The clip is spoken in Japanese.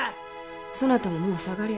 そなたももう下がりゃ。